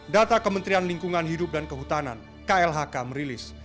data kementerian lingkungan hidup dan kehutanan klhk merilis